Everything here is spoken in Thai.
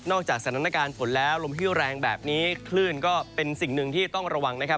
จากสถานการณ์ฝนแล้วลมที่แรงแบบนี้คลื่นก็เป็นสิ่งหนึ่งที่ต้องระวังนะครับ